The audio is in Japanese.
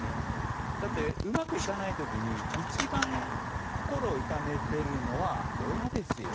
だって、うまくいかない時に一番心を痛めているのは親ですよ。